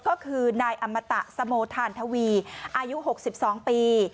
ก็คือนายอมตะสโมทานทวีอายุ๖๒ปี